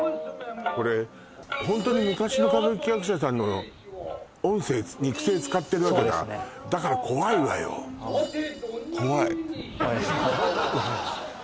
これホントに昔の歌舞伎役者さんの音声肉声使ってるわけだそうですねだから怖いわよ怖い怖いですね